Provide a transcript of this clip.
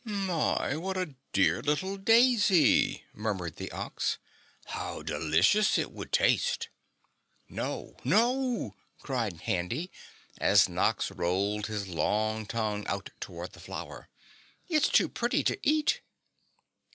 "My, what a dear little daisy!" murmured the Ox. "How delicious it would taste." "No! NO!" cried Handy, as Nox rolled his long tongue out toward the flower. "It's too pretty to eat."